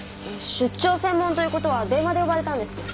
出張専門という事は電話で呼ばれたんですね。